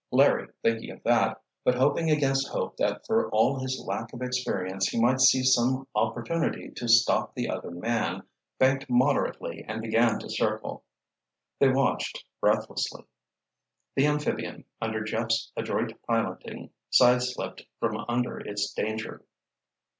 Larry, thinking of that, but hoping against hope that for all his lack of experience he might see some opportunity to stop the other man, banked moderately and began to circle. They watched, breathlessly. The amphibian, under Jeff's adroit piloting, side slipped from under its danger.